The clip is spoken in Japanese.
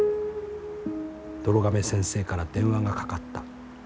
どろ亀先生から電話がかかった。